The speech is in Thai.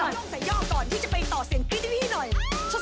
เฮ้ยนี่เปล่าวะ